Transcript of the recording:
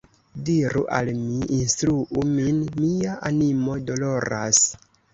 Diru al mi, instruu min, mia animo doloras!